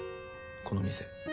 この店。